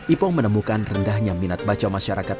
ipong menemukan rendahnya minat baca masyarakat